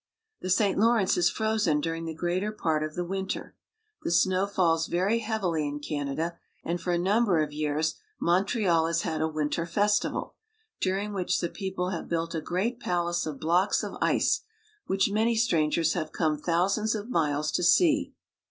The St. Lawrence is frozen during the greater part of the winter. The snow falls very heavily in Canada, and for a number of years Montreal has had a winter festival, during which the people have built a great palace of blocks of ice, which many strangers have come thousands of miles to see.